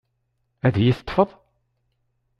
Ad iyi-teṭṭefeḍ?